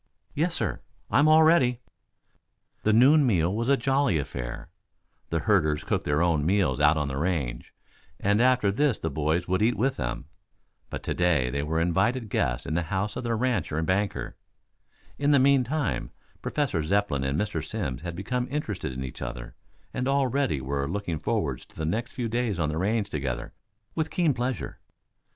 "Yes, sir. I'm all ready." The noon meal was a jolly affair. The herders cooked their own meals out on the range, and after this the boys would eat with them. But to day they were invited guests in the home of the rancher and hanker. In the meantime Professor Zepplin and Mr. Simms had become interested in each other and already were looking forward to the next few days on the range together, with keen pleasure.